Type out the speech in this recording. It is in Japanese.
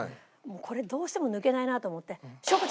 これどうしても抜けないなと思ってしょうこ